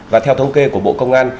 và theo thông kê của bộ công an